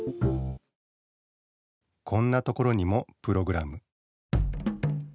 こんなところにもプログラム